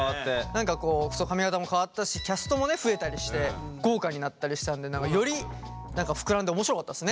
何かこうそう髪形も変わったしキャストも増えたりして豪華になったりしたのでより膨らんで面白かったですね